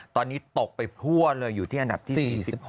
ตอนนี้ตกไปทั่วเลยอยู่ที่อันดับที่๔๖